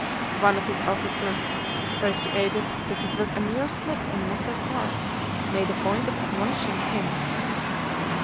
One of his officers, persuaded that it was a mere slip on Moussa's part, made a point of admonishing him.